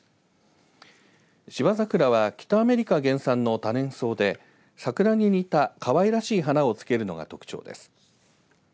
芝桜は北アメリカ原産の多年草で桜に似たかわいらしい花を付けるのが特徴です。